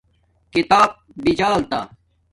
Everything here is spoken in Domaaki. کتاپ بجالتا